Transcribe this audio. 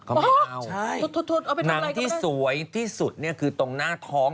เขาไม่เอาหนังที่สวยที่สุดคือตรงหน้าท้อง